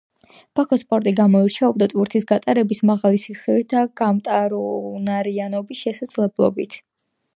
ბაქოს პორტი გამოირჩეოდა ტვირთის გატარების მაღალი სიხშირით და გამტარუნარიანობის შესაძლებლობით.